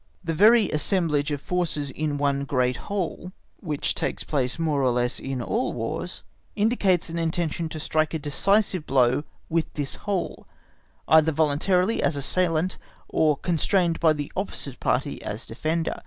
The very assemblage of forces in one great whole, which takes place more or less in all Wars, indicates an intention to strike a decisive blow with this whole, either voluntarily as assailant, or constrained by the opposite party as defender.